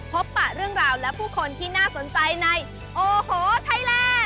ปะเรื่องราวและผู้คนที่น่าสนใจในโอ้โหไทยแลนด